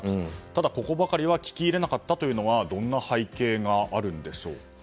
ただ、ここばかりは聞き入れなかったのはどんな背景があるんでしょうか？